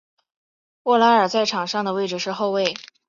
沃拉尔在场上的位置是后卫。